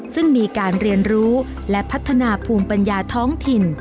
ซึ่งมีการเรียนรู้และพัฒนาภูมิปัญญาท้องถิ่น